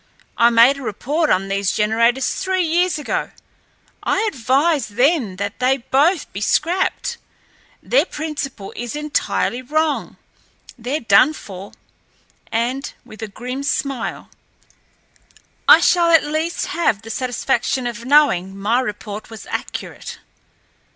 I made a report on these generators three years ago. I advised then that they both be scrapped. Their principle is entirely wrong. They're done for." And, with a grim smile, "I shall at least have the satisfaction of knowing my report was accurate."